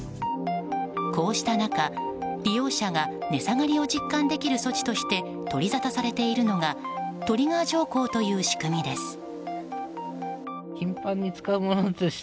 こうした中、利用者が値下がりを実感できる措置として取りざたされているのがトリガー条項という仕組みです。